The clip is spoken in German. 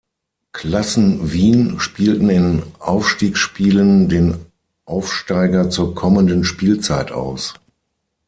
Klassen Wien spielten in Aufstiegsspielen den Aufsteiger zur kommenden Spielzeit aus.